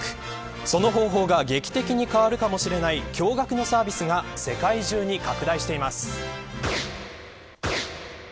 その方法が劇的に変わるかもしれない驚がくのサービスが世界中に拡大しています。